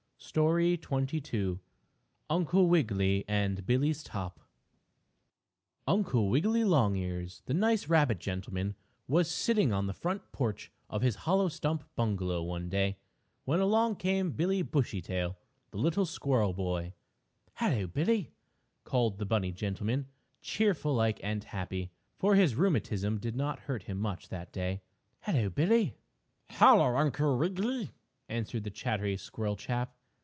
STORY XXII UNCLE WIGGILY AND BILLIE'S TOP Uncle Wiggily Longears, the nice rabbit gentleman, was sitting on the front porch of his hollow stump bungalow one day, when along came Billie Bushytail, the little squirrel boy. "Hello, Billie!" called the bunny gentleman, cheerful like and happy, for his rheumatism did not hurt him much that day. "Hello, Billie." "Hello, Uncle Wiggily," answered the chattery squirrel chap.